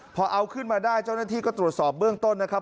พอเอาขึ้นมาได้เจ้าหน้าที่ก็ตรวจสอบเบื้องต้นนะครับ